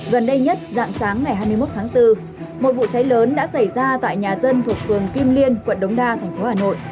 gần đây nhất dạng sáng ngày hai mươi một tháng bốn một vụ cháy lớn đã xảy ra tại nhà dân thuộc phường kim liên quận đống đa thành phố hà nội